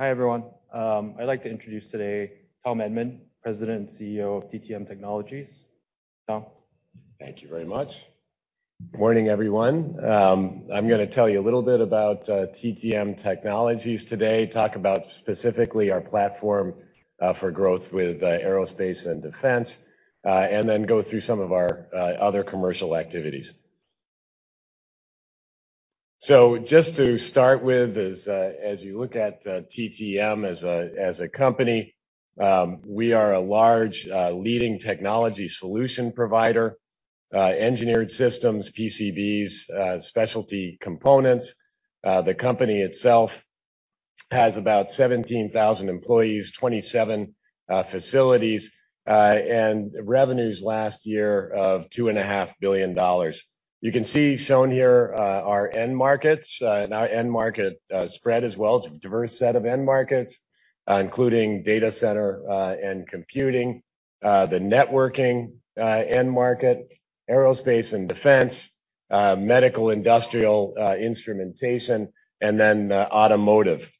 All right. Hi, everyone. I'd like to introduce today Tom Edman, President and CEO of TTM Technologies. Tom. Thank you very much. Morning, everyone. I'm gonna tell you a little bit about TTM Technologies today, talk about specifically our platform for growth with aerospace and defense, and then go through some of our other commercial activities. Just to start with is, as you look at TTM as a, as a company, we are a large, leading technology solution provider, engineered systems, PCBs, specialty components. The company itself has about 17,000 employees, 27 facilities, and revenues last year of $2.5 billion. You can see shown here, our end markets, and our end market spread as well. It's a diverse set of end markets, including data center, and computing, the networking end market, aerospace and defense, medical, industrial, instrumentation, and then automotive.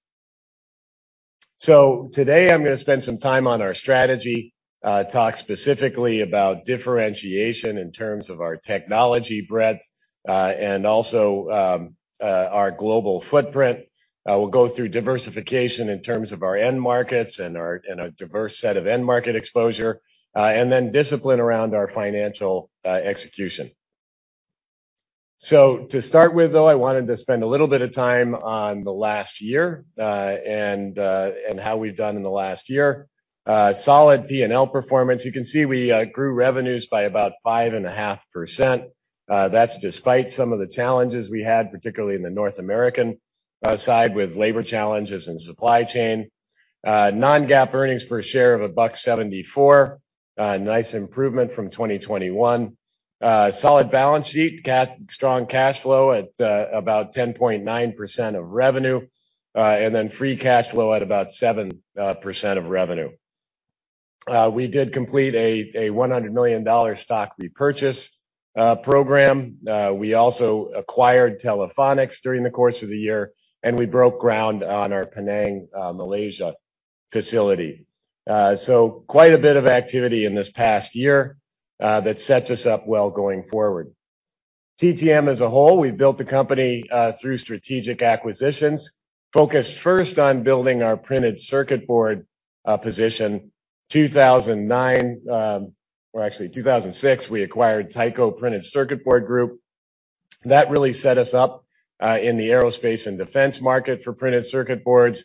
Today I'm gonna spend some time on our strategy, talk specifically about differentiation in terms of our technology breadth, and also our global footprint. We'll go through diversification in terms of our end markets and our diverse set of end market exposure, and then discipline around our financial execution. To start with, though, I wanted to spend a little bit of time on the last year, and how we've done in the last year. Solid P&L performance. You can see we grew revenues by about 5.5%. That's despite some of the challenges we had, particularly in the North American side with labor challenges and supply chain. non-GAAP earnings per share of $1.74. Nice improvement from 2021. Solid balance sheet, strong cash flow at about 10.9% of revenue, and then free cash flow at about 7% of revenue. We did complete a $100 million stock repurchase program. We also acquired Telephonics during the course of the year, and we broke ground on our Penang, Malaysia facility. Quite a bit of activity in this past year that sets us up well going forward. TTM as a whole, we've built the company through strategic acquisitions. Focused first on building our printed circuit board position. 2009, or actually 2006, we acquired Tyco Printed Circuit Group. That really set us up in the aerospace and defense market for printed circuit boards.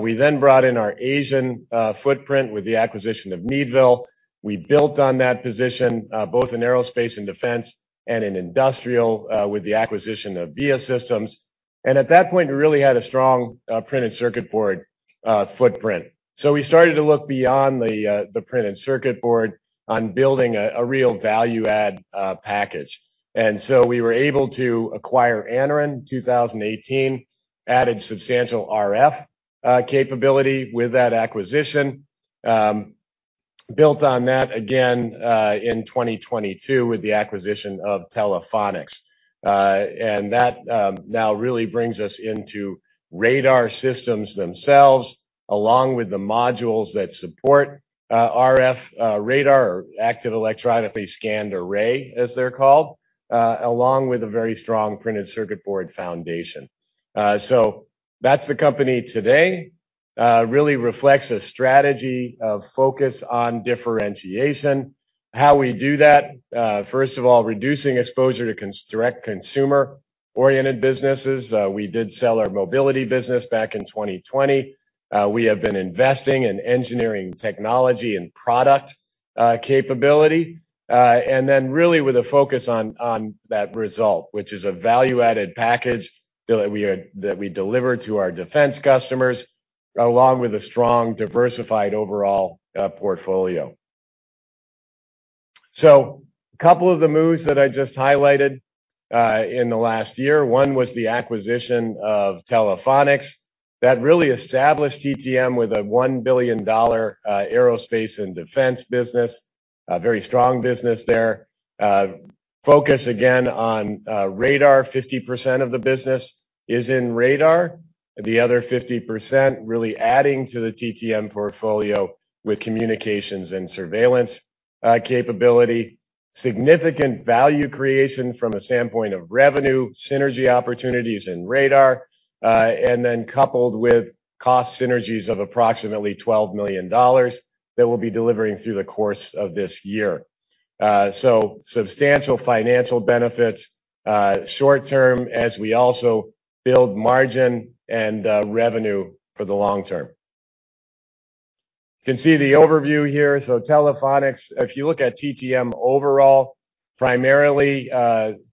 We then brought in our Asian footprint with the acquisition of Meadville. We built on that position both in aerospace and defense and in industrial with the acquisition of Viasystems Group. At that point, we really had a strong printed circuit board footprint. We started to look beyond the printed circuit board on building a real value add package. We were able to acquire Anaren in 2018, added substantial RF capability with that acquisition. Built on that again in 2022 with the acquisition of Telephonics. And that now really brings us into radar systems themselves, along with the modules that support RF radar or active electronically scanned array, as they're called, along with a very strong printed circuit board foundation. That's the company today. Really reflects a strategy of focus on differentiation. How we do that, first of all, reducing exposure to direct consumer-oriented businesses. We did sell our mobility business back in 2020. We have been investing in engineering technology and product capability. Then really with a focus on that result, which is a value-added package that we are, that we deliver to our defense customers, along with a strong diversified overall portfolio. A couple of the moves that I just highlighted in the last year. One was the acquisition of Telephonics. That really established TTM with a $1 billion aerospace and defense business. A very strong business there. Focus again on radar. 50% of the business is in radar. The other 50% really adding to the TTM portfolio with communications and surveillance capability. Significant value creation from a standpoint of revenue, synergy opportunities in radar, and then coupled with cost synergies of approximately $12 million that we'll be delivering through the course of this year. Substantial financial benefits short term as we also build margin and revenue for the long term. You can see the overview here. Telephonics, if you look at TTM overall, primarily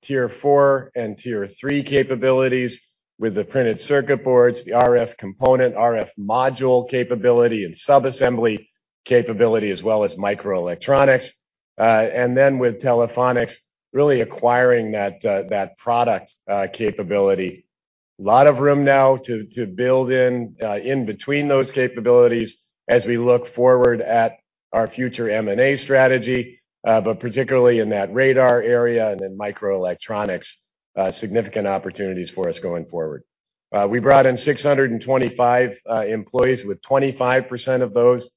tier four and tier three capabilities with the printed circuit boards, the RF component, RF module capability and sub-assembly capability, as well as microelectronics. With Telephonics, really acquiring that product, capability. Lot of room now to build in between those capabilities as we look forward at our future M&A strategy, but particularly in that radar area and in microelectronics, significant opportunities for us going forward. We brought in 625 employees, with 25% of those,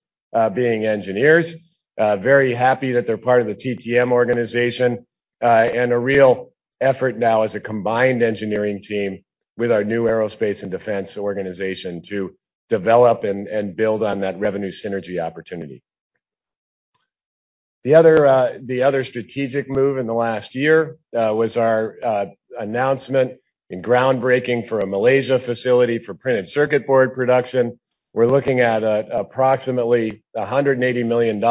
being engineers. Very happy that they're part of the TTM organization, and a real effort now as a combined engineering team with our new aerospace and defense organization to develop and build on that revenue synergy opportunity. The other strategic move in the last year, was our announcement and groundbreaking for a Malaysia facility for printed circuit board production. We're looking at approximately $180 million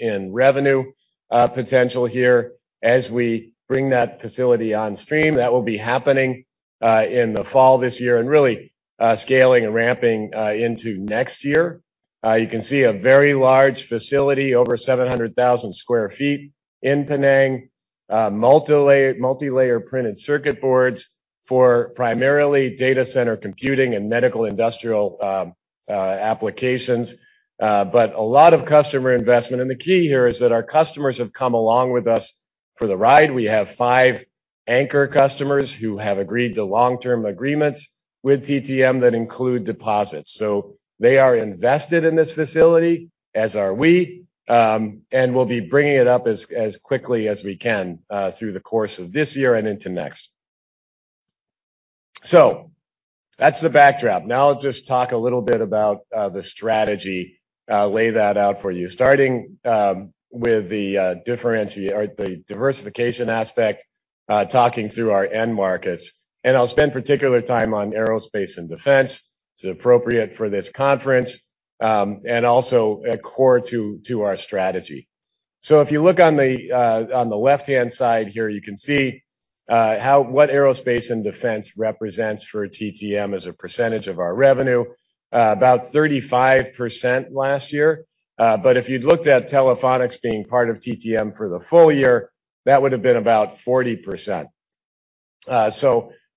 in revenue potential here as we bring that facility on stream. That will be happening in the fall this year and really scaling and ramping into next year. You can see a very large facility, over 700,000 sq ft in Penang. multi-layer printed circuit boards for primarily data center computing and medical industrial applications. A lot of customer investment. The key here is that our customers have come along with us for the ride. We have five anchor customers who have agreed to long-term agreements with TTM that include deposits. They are invested in this facility, as are we. We'll be bringing it up as quickly as we can through the course of this year and into next. That's the backdrop. Now I'll just talk a little bit about the strategy, lay that out for you. Starting with the diversification aspect, talking through our end markets. I'll spend particular time on aerospace and defense. It's appropriate for this conference, and also core to our strategy. If you look on the on the left-hand side here, you can see what aerospace and defense represents for TTM as a percentage of our revenue. About 35% last year. If you'd looked at Telephonics being part of TTM for the full year, that would've been about 40%.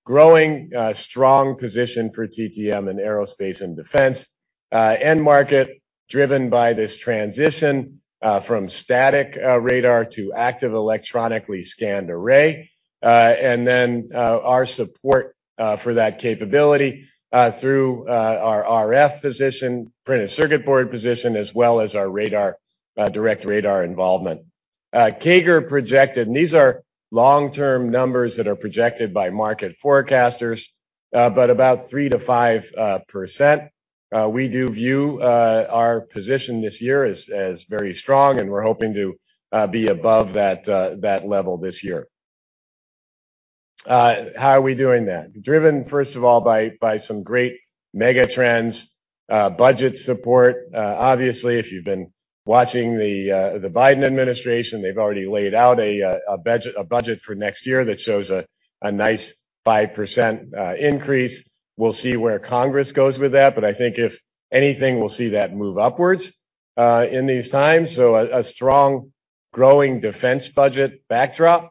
Growing a strong position for TTM in aerospace and defense end market driven by this transition from static radar to active electronically scanned array, and then our support for that capability through our RF position, printed circuit board position, as well as our radar direct radar involvement. CAGR projected, and these are long-term numbers that are projected by market forecasters, but about 3%-5%. We do view our position this year as very strong, and we're hoping to be above that level this year. How are we doing that? Driven, first of all, by some great megatrends, budget support. Obviously, if you've been watching the Biden administration, they've already laid out a budget for next year that shows a nice 5% increase. We'll see where Congress goes with that, but I think if anything, we'll see that move upwards in these times. A strong growing defense budget backdrop.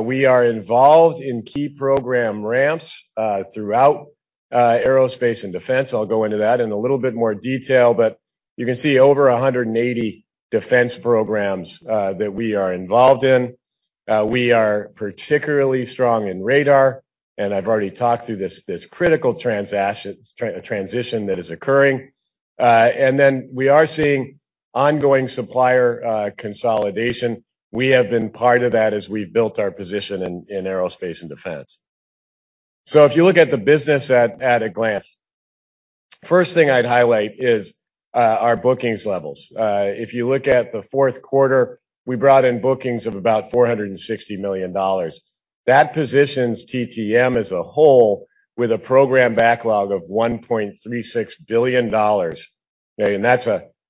We are involved in key program ramps throughout aerospace and defense. I'll go into that in a little bit more detail, but you can see over 180 defense programs that we are involved in. We are particularly strong in radar, and I've already talked through this critical transition that is occurring. We are seeing ongoing supplier consolidation. We have been part of that as we've built our position in aerospace and defense. If you look at the business at a glance, first thing I'd highlight is our bookings levels. If you look at the fourth quarter, we brought in bookings of about $460 million. That positions TTM as a whole with a program backlog of $1.36 billion, okay? That's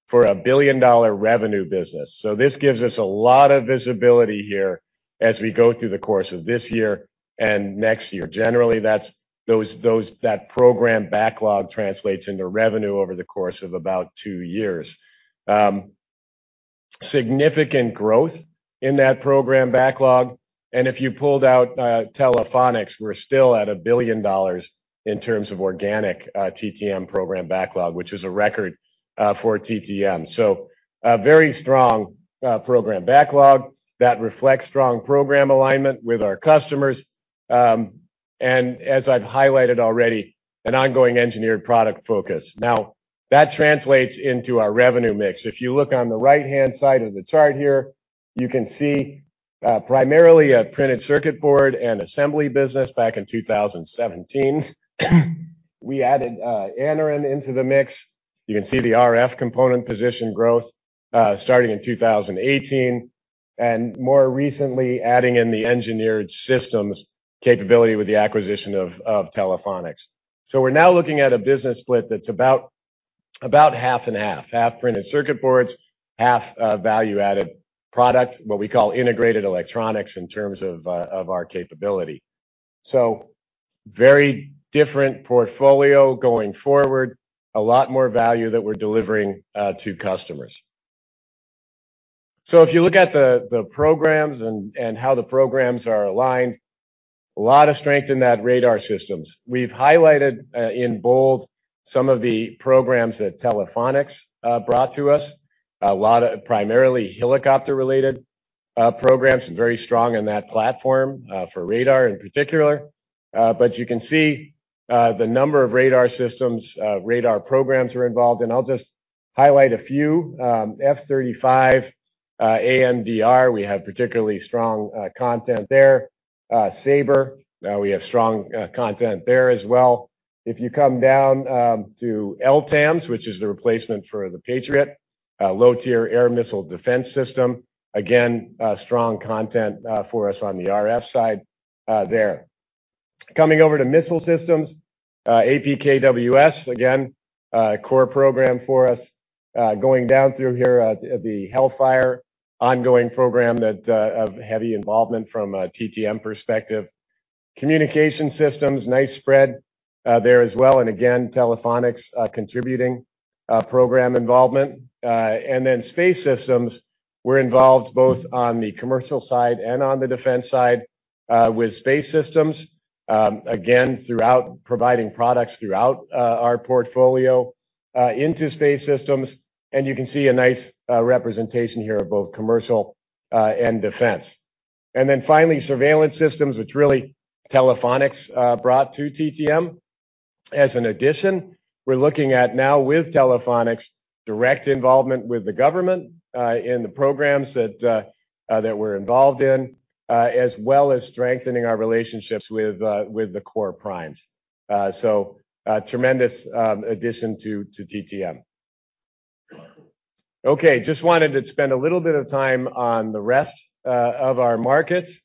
for a billion-dollar revenue business. This gives us a lot of visibility here as we go through the course of this year and next year. Generally, that program backlog translates into revenue over the course of about two years. Significant growth in that program backlog, and if you pulled out Telephonics, we're still at $1 billion in terms of organic TTM program backlog, which is a record for TTM. A very strong program backlog that reflects strong program alignment with our customers, and as I've highlighted already, an ongoing engineered product focus. That translates into our revenue mix. If you look on the right-hand side of the chart here, you can see primarily a printed circuit board and assembly business back in 2017. We added Anaren into the mix. You can see the RF component position growth starting in 2018, and more recently adding in the engineered systems capability with the acquisition of Telephonics. We're now looking at a business split that's about half and half. Half printed circuit boards, half value-added product, what we call Integrated Electronics in terms of our capability. Very different portfolio going forward. A lot more value that we're delivering to customers. If you look at the programs and how the programs are aligned, a lot of strength in that radar systems. We've highlighted in bold some of the programs that Telephonics brought to us. A lot of primarily helicopter-related programs, very strong in that platform for radar in particular. You can see the number of radar systems, radar programs we're involved in. I'll just highlight a few. F-35, AMDR, we have particularly strong content there. SABR, we have strong content there as well. If you come down to LTAMDS, which is the replacement for the Patriot, Low Tier Air Missile Defense System, again, strong content for us on the RF side there. Coming over to missile systems, APKWS, again, a core program for us. Going down through here, the HELLFIRE ongoing program that of heavy involvement from a TTM perspective. Communication systems, nice spread there as well. Again, Telephonics contributing program involvement. Then space systems, we're involved both on the commercial side and on the defense side with space systems. Again, throughout providing products throughout our portfolio into space systems. You can see a nice representation here of both commercial and defense. Finally, surveillance systems, which really Telephonics brought to TTM. As an addition, we're looking at now with Telephonics, direct involvement with the government in the programs that we're involved in, as well as strengthening our relationships with the core primes. A tremendous addition to TTM. Just wanted to spend a little bit of time on the rest of our markets.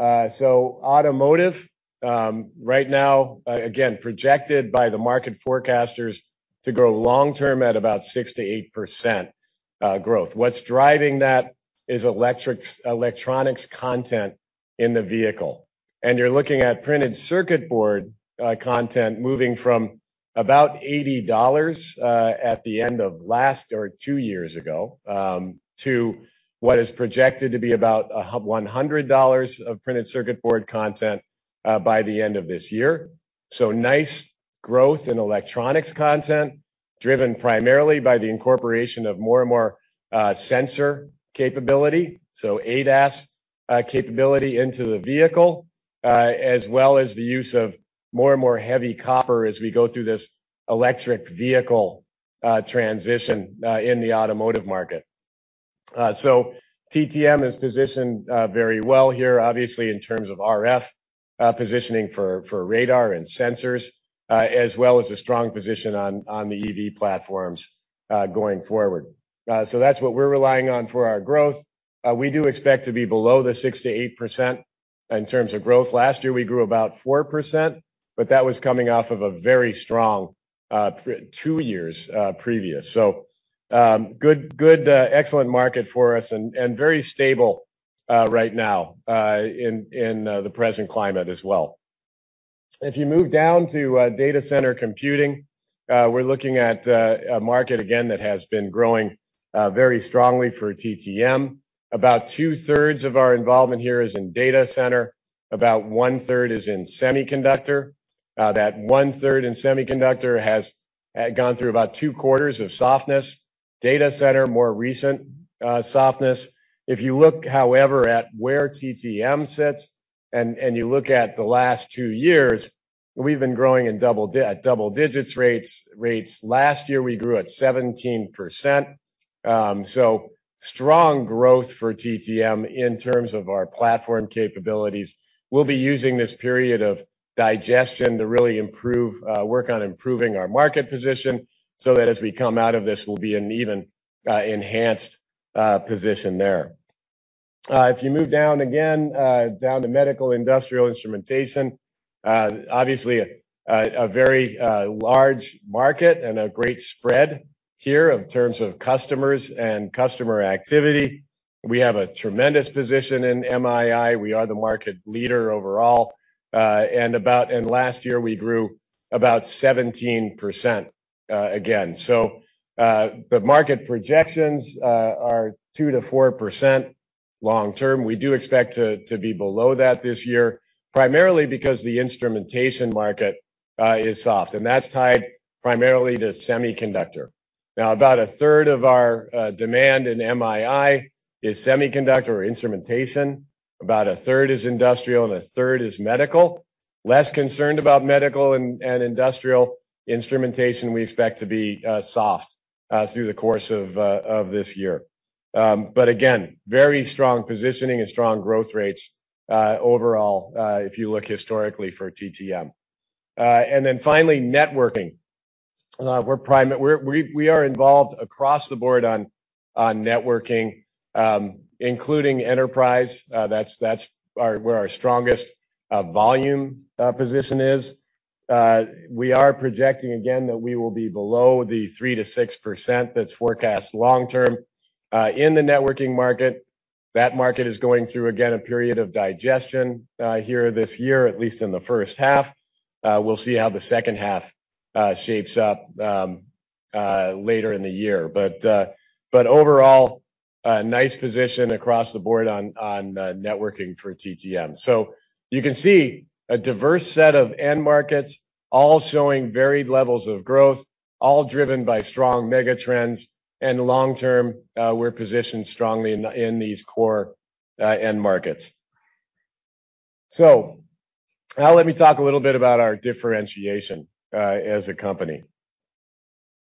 Automotive right now again, projected by the market forecasters to grow long-term at about 6%-8% growth. What's driving that is electronics content in the vehicle. You're looking at printed circuit board content moving from about $80 at the end of last or two years ago to what is projected to be about $100 of printed circuit board content by the end of this year. Nice growth in electronics content, driven primarily by the incorporation of more and more sensor capability. ADAS capability into the vehicle, as well as the use of more and more heavy copper as we go through this electric vehicle transition in the automotive market. TTM is positioned very well here, obviously, in terms of RF positioning for radar and sensors, as well as a strong position on the EV platforms going forward. That's what we're relying on for our growth. We do expect to be below the 6%-8% in terms of growth. Last year, we grew about 4%, but that was coming off of a very strong two years previous. Excellent market for us and very stable right now in the present climate as well. If you move down to data center computing, we're looking at a market again that has been growing very strongly for TTM. About two-thirds of our involvement here is in data center, about one-third is in semiconductor. That one-third in semiconductor has gone through about 2 quarters of softness. Data center, more recent softness. If you look, however, at where TTM sits and you look at the last two years, we've been growing at double digits rates. Last year, we grew at 17%. Strong growth for TTM in terms of our platform capabilities. We'll be using this period of digestion to really improve, work on improving our market position, so that as we come out of this, we'll be in an even enhanced position there. If you move down again, down to medical industrial instrumentation, obviously a very large market and a great spread here in terms of customers and customer activity. We have a tremendous position in MII. We are the market leader overall. Last year, we grew about 17% again. The market projections are 2%-4% long-term. We do expect to be below that this year, primarily because the instrumentation market is soft, and that's tied primarily to semiconductor. About a third of our demand in MII is semiconductor or instrumentation, about a third is industrial, and a third is medical. Less concerned about medical and industrial instrumentation we expect to be soft through the course of this year. Again, very strong positioning and strong growth rates overall, if you look historically for TTM. Then finally, networking. We're involved across the board on networking, including enterprise. That's our, where our strongest volume position is. We are projecting again that we will be below the 3%-6% that's forecast long-term in the networking market. That market is going through, again, a period of digestion here this year, at least in the first half. We'll see how the second half shapes up later in the year. Overall, a nice position across the board on networking for TTM. You can see a diverse set of end markets all showing varied levels of growth, all driven by strong mega trends, and long term, we're positioned strongly in the, in these core end markets. Now let me talk a little bit about our differentiation as a company.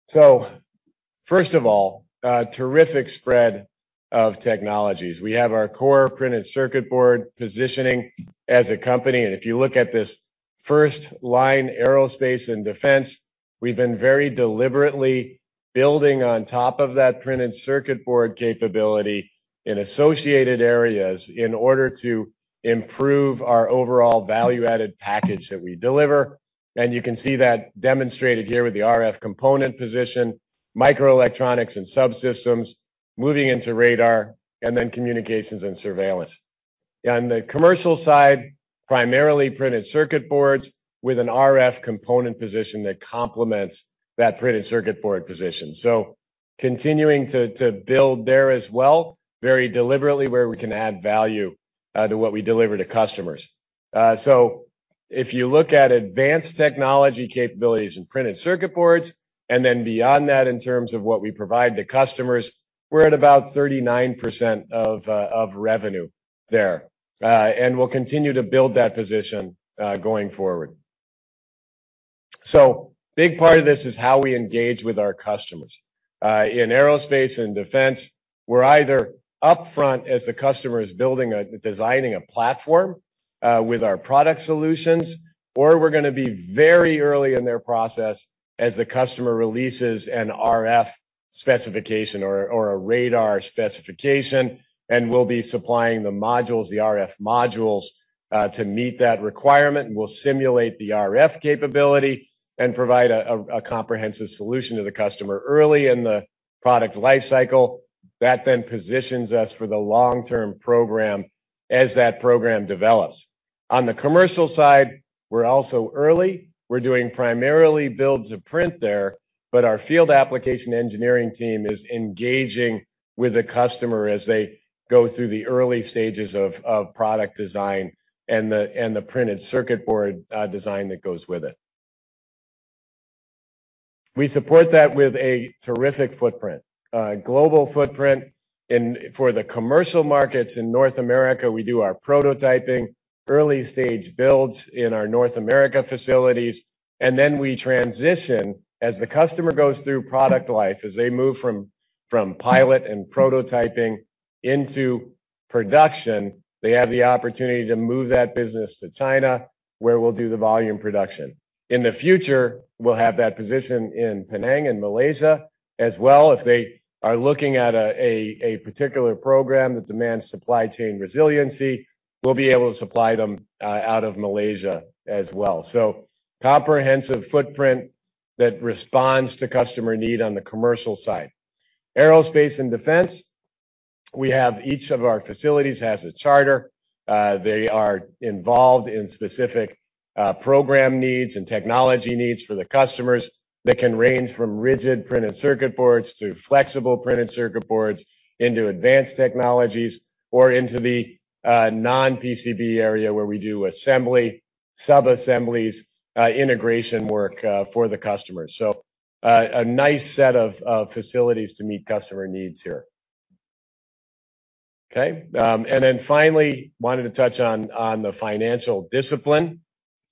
First of all, a terrific spread of technologies. We have our core printed circuit board positioning as a company, and if you look at this first line, Aerospace & Defense, we've been very deliberately building on top of that printed circuit board capability in associated areas in order to improve our overall value-added package that we deliver. And you can see that demonstrated here with the RF component position, microelectronics and subsystems, moving into radar, and then communications and surveillance. On the commercial side, primarily printed circuit boards with an RF component position that complements that printed circuit board position. Continuing to build there as well, very deliberately, where we can add value to what we deliver to customers. If you look at advanced technology capabilities in printed circuit boards and then beyond that in terms of what we provide to customers, we're at about 39% of revenue there. And we'll continue to build that position going forward. Big part of this is how we engage with our customers. In aerospace and defense, we're either up front as the customer is building, designing a platform with our product solutions, or we're gonna be very early in their process as the customer releases an RF specification or a radar specification, and we'll be supplying the modules, the RF modules to meet that requirement. We'll simulate the RF capability and provide a comprehensive solution to the customer early in the product life cycle that then positions us for the long-term program as that program develops. On the commercial side, we're also early. Our field application engineering team is engaging with the customer as they go through the early stages of product design and the printed circuit board design that goes with it. We support that with a terrific footprint, global footprint. For the commercial markets in North America, we do our prototyping, early stage builds in our North America facilities, and then we transition as the customer goes through product life. As they move from pilot and prototyping into production, they have the opportunity to move that business to China, where we'll do the volume production. In the future, we'll have that position in Penang and Malaysia as well. If they are looking at a particular program that demands supply chain resiliency, we'll be able to supply them out of Malaysia as well. Comprehensive footprint that responds to customer need on the commercial side. Aerospace and defense, we have each of our facilities has a charter. They are involved in specific program needs and technology needs for the customers that can range from rigid printed circuit boards to flexible printed circuit boards into advanced technologies or into the non-PCB area where we do assembly, sub-assemblies, integration work for the customers. A nice set of facilities to meet customer needs here. And then finally wanted to touch on the financial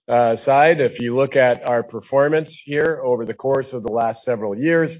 discipline side. If you look at our performance here over the course of the last several years,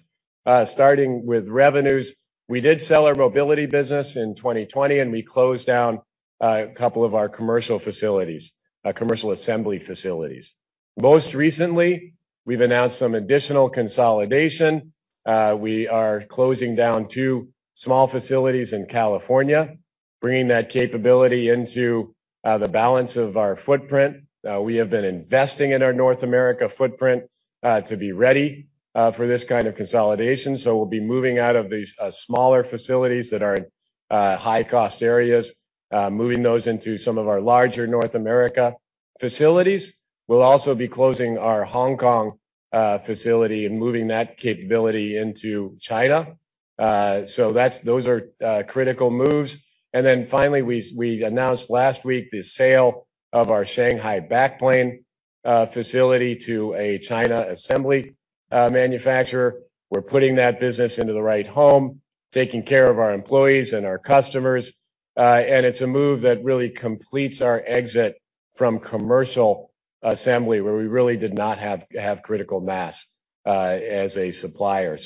starting with revenues, we did sell our mobility business in 2020, and we closed down a couple of our commercial facilities, commercial assembly facilities. Most recently, we've announced some additional consolidation. We are closing down two small facilities in California, bringing that capability into the balance of our footprint. Uh, we have been investing in our North America footprint, uh, to be ready, uh, for this kind of consolidation. So we'll be moving out of these, uh, smaller facilities that are in, uh, high-cost areas, uh, moving those into some of our larger North America facilities. We'll also be closing our Hong Kong, uh, facility and moving that capability into China. Uh, so that's-- those are, uh, critical moves. And then finally, we, we announced last week the sale of our Shanghai backplane, uh, facility to a China assembly, uh, manufacturer. We're putting that business into the right home, taking care of our employees and our customers. Uh, and it's a move that really completes our exit from commercial assembly, where we really did not have, have critical mass, uh, as a supplier.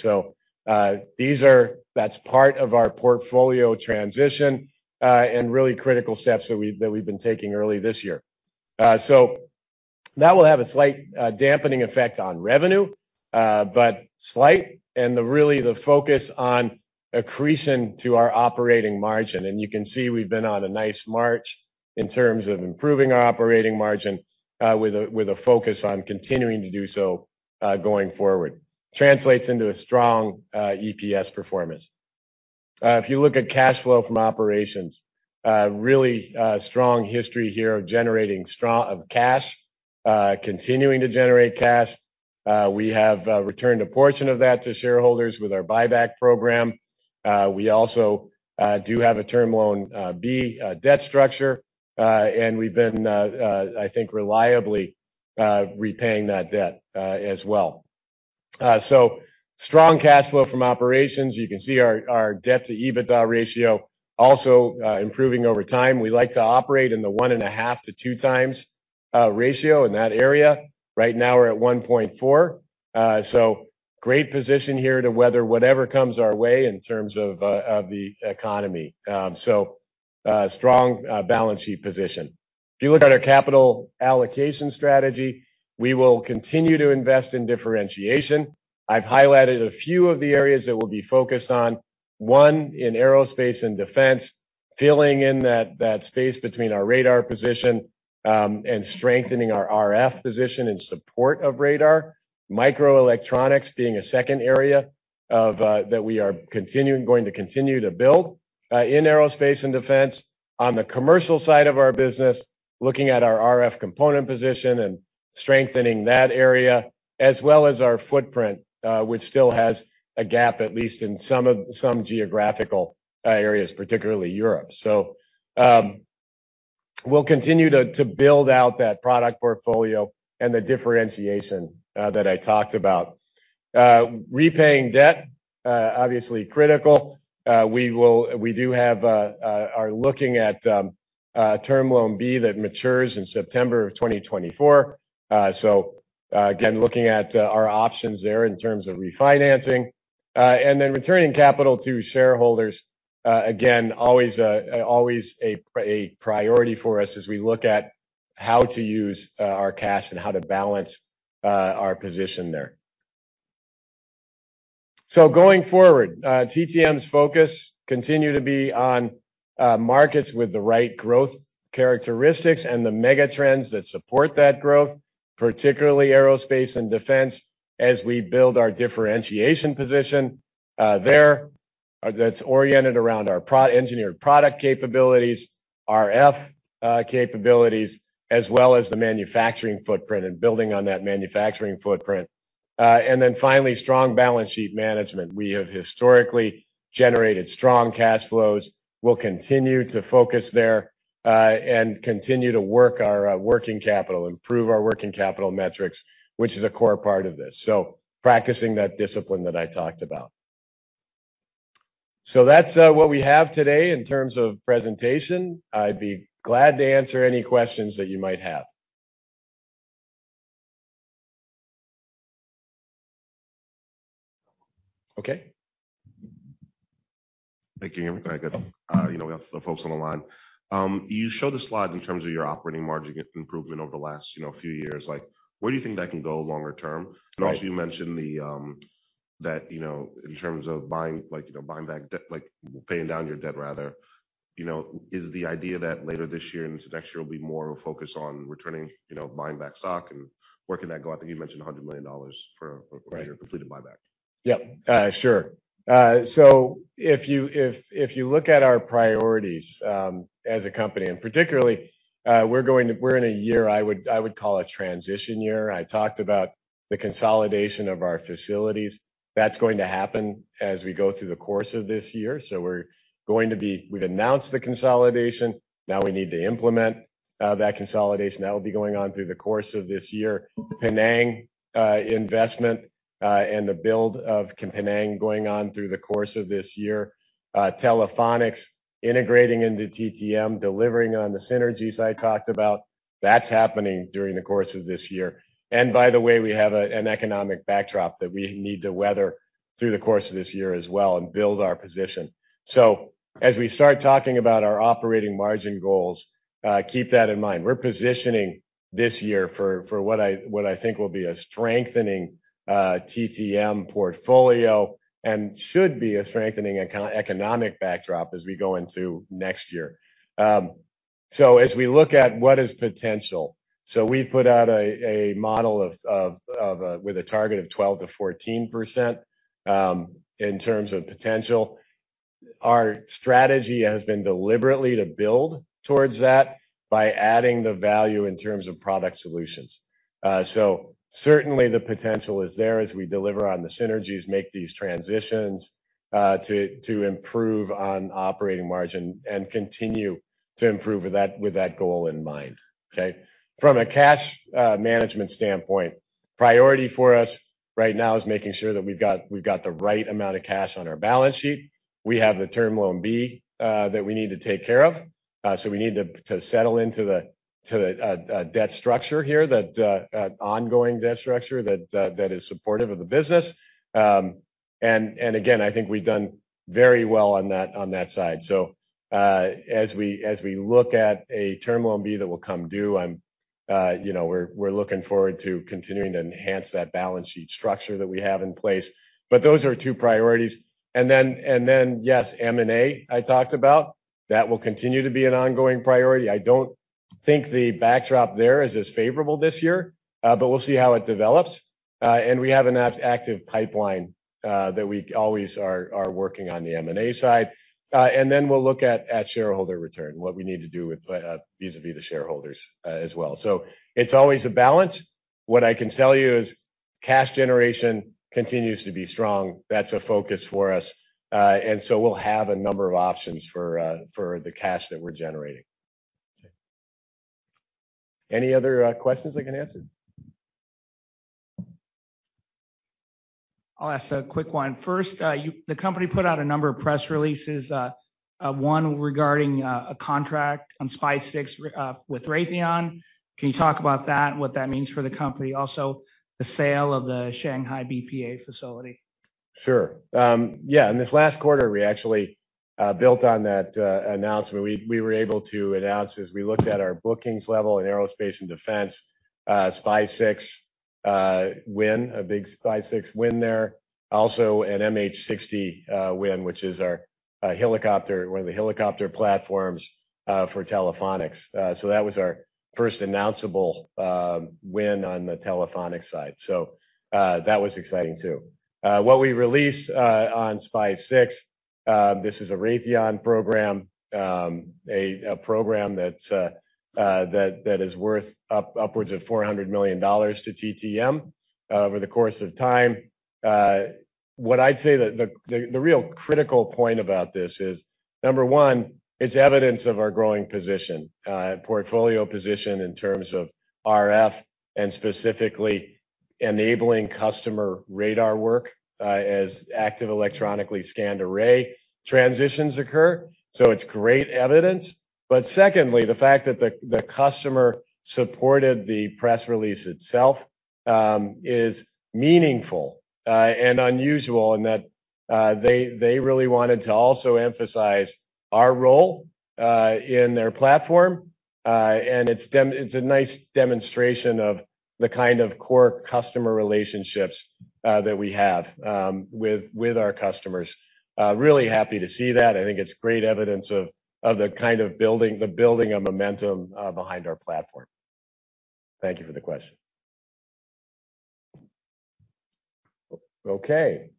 That's part of our portfolio transition and really critical steps that we've been taking early this year. That will have a slight dampening effect on revenue, but slight and the really the focus on accretion to our operating margin. You can see we've been on a nice march-In terms of improving our operating margin, with a focus on continuing to do so, going forward. Translates into a strong EPS performance. If you look at cash flow from operations, really strong history here of generating strong-- of cash, continuing to generate cash. We have returned a portion of that to shareholders with our buyback program. We also do have a Term Loan B debt structure, and we've been, I think reliably, repaying that debt as well. Strong cash flow from operations. You can see our debt to EBITDA ratio also improving over time. We like to operate in the 1.5x-2x ratio, in that area. Right now, we're at 1.4. Great position here to weather whatever comes our way in terms of the economy. Strong balance sheet position. If you look at our capital allocation strategy, we will continue to invest in differentiation. I've highlighted a few of the areas that we'll be focused on. One, in aerospace and defense, filling in that space between our radar position, and strengthening our RF position in support of radar. microelectronics being a second area that we are going to continue to build in aerospace and defense. On the commercial side of our business, looking at our RF component position and strengthening that area, as well as our footprint, which still has a gap, at least in some geographical areas, particularly Europe. We'll continue to build out that product portfolio and the differentiation that I talked about. Repaying debt, obviously critical. We do have, are looking at Term Loan B that matures in September of 2024. Again, looking at our options there in terms of refinancing. Returning capital to shareholders, again, always a priority for us as we look at how to use our cash and how to balance our position there. Going forward, TTM's focus continue to be on markets with the right growth characteristics and the mega trends that support that growth, particularly aerospace and defense, as we build our differentiation position there, that's oriented around our engineered product capabilities, RF capabilities, as well as the manufacturing footprint and building on that manufacturing footprint. Finally, strong balance sheet management. We have historically generated strong cash flows. We'll continue to focus there, and continue to work our working capital, improve our working capital metrics, which is a core part of this. Practicing that discipline that I talked about. That's what we have today in terms of presentation. I'd be glad to answer any questions that you might have. Okay. Thank you. Okay, good. you know, we have the folks on the line. you show the slide in terms of your operating margin improvement over the last, you know, few years. Like, where do you think that can go longer term? Right. You mentioned the, that, you know, in terms of buying, like, you know, buying back debt, like paying down your debt rather, you know, is the idea that later this year into next year will be more of a focus on returning, you know, buying back stock and where can that go? I think you mentioned $100 million. Right ...for your completed buyback. Yeah. If you look at our priorities, as a company, and particularly, we're in a year I would call a transition year. I talked about the consolidation of our facilities. That's going to happen as we go through the course of this year. We've announced the consolidation, now we need to implement that consolidation. That will be going on through the course of this year. Penang, investment, and the build of Penang going on through the course of this year. Telephonics integrating into TTM, delivering on the synergies I talked about. That's happening during the course of this year. By the way, we have an economic backdrop that we need to weather through the course of this year as well and build our position. As we start talking about our operating margin goals, keep that in mind. We're positioning this year for what I think will be a strengthening TTM portfolio, and should be a strengthening economic backdrop as we go into next year. As we look at what is potential, so we've put out a model of with a target of 12%-14%, in terms of potential. Our strategy has been deliberately to build towards that by adding the value in terms of product solutions. Certainly the potential is there as we deliver on the synergies, make these transitions, to improve on operating margin and continue to improve with that goal in mind. Okay? From a cash management standpoint, priority for us right now is making sure that we've got the right amount of cash on our balance sheet. We have the Term Loan B that we need to take care of. We need to settle into the to the debt structure here, that ongoing debt structure that is supportive of the business. Again, I think we've done very well on that on that side. As we look at a Term Loan B that will come due, you know, we're looking forward to continuing to enhance that balance sheet structure that we have in place. Those are two priorities. Then, yes, M&A, I talked about. That will continue to be an ongoing priority. I don't think the backdrop there is as favorable this year. We'll see how it develops. We have an active pipeline that we always are working on the M&A side. Then we'll look at shareholder return, what we need to do with vis-à-vis the shareholders as well. It's always a balance. What I can tell you is cash generation continues to be strong. That's a focus for us. We'll have a number of options for the cash that we're generating. Okay. Any other questions I can answer? I'll ask a quick one. First, the company put out a number of press releases. One regarding a contract on SPY-6 with Raytheon. Can you talk about that and what that means for the company? Also, the sale of the Shanghai BPA facility. Sure. Yeah, in this last quarter, we actually built on that announcement. We were able to announce as we looked at our bookings level in aerospace and defense, SPY-6 win, a big SPY-6 win there. Also an MH-60 win, which is our one of the helicopter platforms for Telephonics. That was our first announceable win on the telephonic side. That was exciting too. What we released on SPY-6, this is a Raytheon program. A program that is worth upwards of $400 million to TTM over the course of time. What I'd say the real critical point about this is, number one, it's evidence of our growing position, portfolio position in terms of RF and specifically enabling customer radar work, as active electronically scanned array transitions occur. It's great evidence. Secondly, the fact that the customer supported the press release itself is meaningful and unusual in that they really wanted to also emphasize our role in their platform. And it's a nice demonstration of the kind of core customer relationships that we have with our customers. Really happy to see that. I think it's great evidence of the kind of building of momentum behind our platform. Thank you for the question. Okay.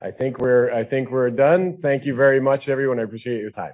I think we're done. Thank you very much, everyone. I appreciate your time.